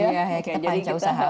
ya kayak kita panca usaha